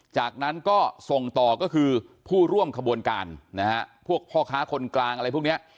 จากนั้นก็ส่งต่อก็คือผู้ร่วมขบวนการนะฮะพวกพ่อค้าคนกลางอะไรพวกนี้